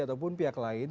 ataupun pihak lain